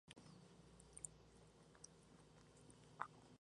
Se trata de una clase reconocida por la Federación Internacional de Vela.